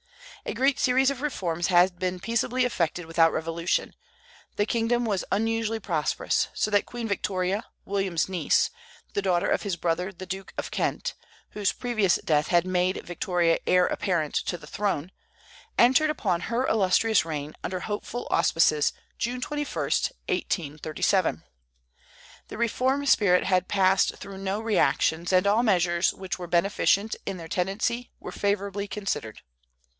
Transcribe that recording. A great series of reforms had been peaceably effected without revolution; the kingdom was unusually prosperous; so that Queen Victoria, William's niece, the daughter of his brother the Duke of Kent (whose previous death had made Victoria heir apparent to the throne), entered upon her illustrious reign under hopeful auspices, June 21, 1837. The reform spirit had passed through no reactions, and all measures which were beneficent in their tendency were favorably considered.